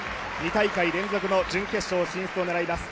２大会連続の準決勝進出を狙います